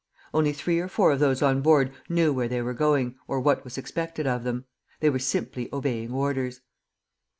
Only three or four of those on board knew where they were going, or what was expected of them. They were simply obeying orders.